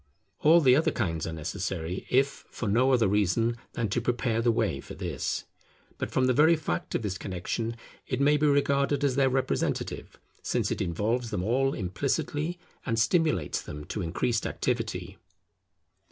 All the other kinds are necessary, if for no other reason than to prepare the way for this; but from the very fact of this connexion it may be regarded as their representative; since it involves them all implicitly and stimulates them to increased activity.